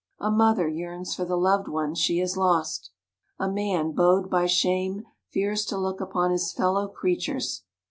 A mother yearns for the loved ones she has lost. A man bowed by shame fears to look upon his fellow creatures.